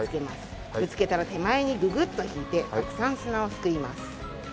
ぶつけたら手前にググッと引いてたくさん砂をすくいます。